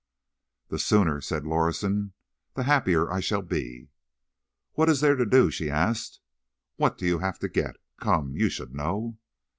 "The sooner," said Lorison, "the happier I shall be." "What is there to do?" she asked. "What do you have to get? Come! You should know."